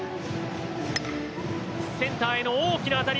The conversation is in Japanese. センターへの大きな当たり。